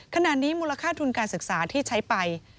ขณะนี้มูลค่าทุนการศึกษาที่ใช้ไป